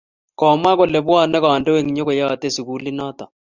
Komwa kole bwane kandoik nyo koyate suulit noto